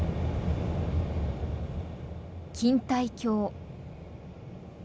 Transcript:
錦帯橋。